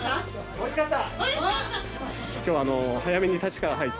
おいしかった！